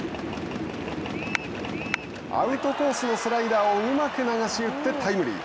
アウトコースのスライダーをうまく流し打って、タイムリー。